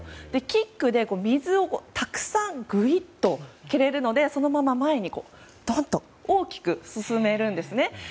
キックで水をたくさんぐいっと蹴れるのでそのまま前に大きく進めるんですね。